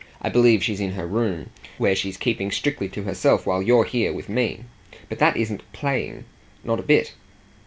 I believe she's in her room, where she's keeping strictly to herself while you're here with me. But that isn't 'playing' not a bit."